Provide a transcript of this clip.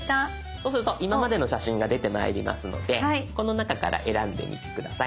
そうすると今までの写真が出てまいりますのでこの中から選んでみて下さい。